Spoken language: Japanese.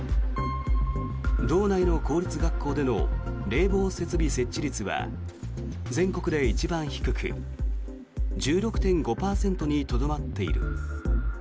道内の公立学校での冷房設備設置率は全国で一番低く１６．５％にとどまっている。